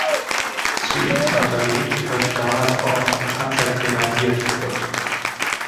Zur Infanterie gehörte damals auch noch die Panzergrenadiertruppe.